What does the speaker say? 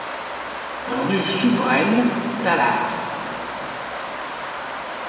Rue Souveraine, Tallard